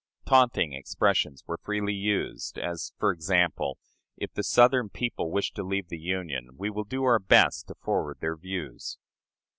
Taunting expressions were freely used as, for example, "If the Southern people wish to leave the Union, we will do our best to forward their views."